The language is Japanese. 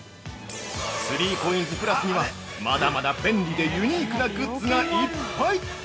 ◆３ＣＯＩＮＳ＋ｐｌｕｓにはまだまだ便利でユニークなグッズがいっぱい！